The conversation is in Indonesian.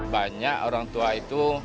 banyak orang tua itu